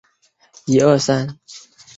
中途遇到京兆尹解恽和定陶王刘祉。